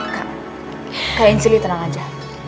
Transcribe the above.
kak injeli tenang aja